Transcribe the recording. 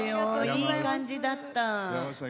いい感じだった。